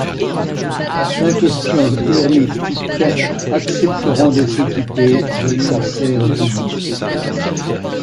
Cinq espions hermétiques accepteront de s'équiper de l'ulcère public.